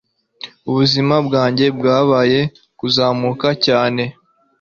Ubuzima bwanjye bwabaye kuzamuka cyane